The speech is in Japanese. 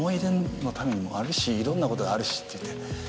「いろんなことがあるし」って言って。